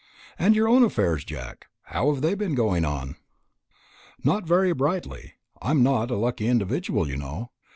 "And your own affairs, Jack how have they been going on?" "Not very brightly. I am not a lucky individual, you know.